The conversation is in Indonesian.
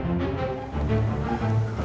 tapi lu pasti kuat